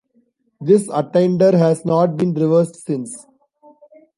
This attainder has not been reversed since.